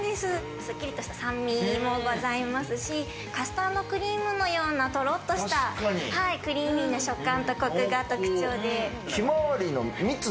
すっきりとした酸味もございますし、カスタードクリームのようなとろっとした、クリーミーな食感が特徴で。